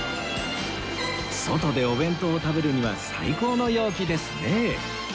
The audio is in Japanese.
外でお弁当を食べるには最高の陽気ですね